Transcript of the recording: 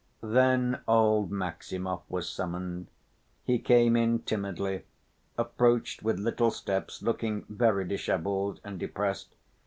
Then old Maximov was summoned. He came in timidly, approached with little steps, looking very disheveled and depressed.